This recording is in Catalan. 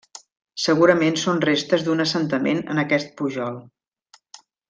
Segurament són restes d'un assentament en aquest pujol.